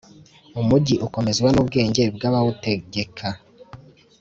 umugi ukomezwa n’ubwenge bw’abawutegeka